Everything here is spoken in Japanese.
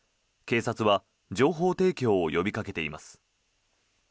警察は情報提供を呼びかけています。